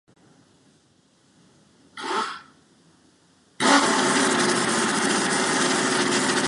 El pueblo entonces clamaba, "Fiat", "fiat"!